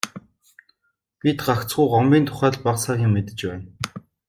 Бид гагцхүү Гомбын тухай л бага сага юм мэдэж байна.